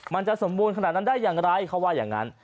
มันจะสมบูรณ์ขนาดนั้นได้อย่างไรเขาว่าอย่างนั้น